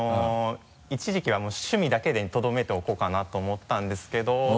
一時期は趣味だけでとどめておこうかなと思ったんですけど。